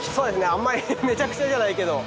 あんまりめちゃくちゃじゃないけど。